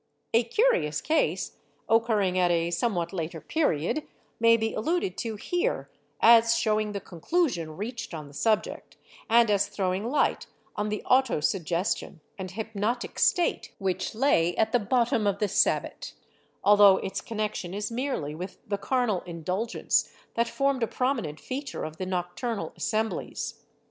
A curious case, occurring at a somewhat later period, may be alluded to here as showing the conclusion reached on the subject, and as throwing light on the auto suggestion and hypnotic state which lay at the bottom of the Sabbat, although its connection is merely with the carnal indulgence that formed a prominent feature of the nocturnal assemblies.